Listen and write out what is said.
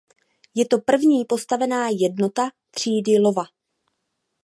Je to první postavená jednotka třídy "Iowa".